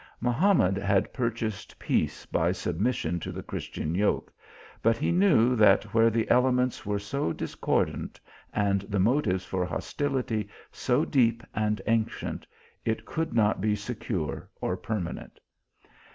Mahamad had purchased peace by submission to the Christian yoke, but he knew that where the ele ments were so discordant, and the motives for hos tility so deep and ancient, it could not be secure or permanent.